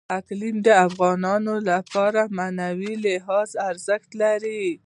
اقلیم د افغانانو لپاره په معنوي لحاظ ارزښت لري.